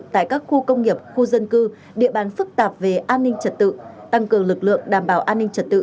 tại các khu công nghiệp khu dân cư địa bàn phức tạp về an ninh trật tự tăng cường lực lượng đảm bảo an ninh trật tự